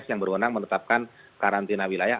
yang berwenang menetapkan karantina wilayah